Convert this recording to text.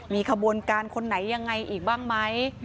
มีขบวนการคนไหนยังไงอีกบ้างไหม